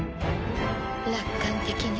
楽観的ね。